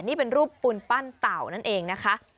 นี่เป็นรูปปูนปั้นเต่านั่นเองนะคะ